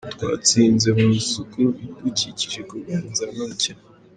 Twatsinze mu isuku, ibidukikije, kurwanya inzara n’ubukene.